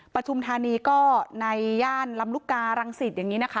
ทุมธานีก็ในย่านลำลูกการังสิตอย่างนี้นะคะ